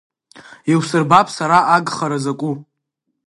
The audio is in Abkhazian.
Иусырбап сара агхара закәу!